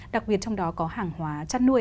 đặc biệt trong đó có hàng hóa chăn nuôi